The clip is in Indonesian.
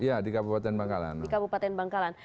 iya di kabupaten bangkalan di kabupaten bangkalan